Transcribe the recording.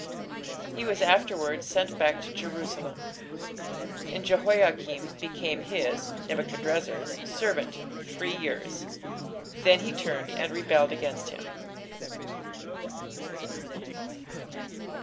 He was afterwards sent back to Jerusalem. "And Jehoiakim became his (Nebuchadrezzar's) servant three years: then he turned and rebelled against him."